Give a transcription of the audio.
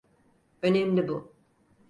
Önemli bu.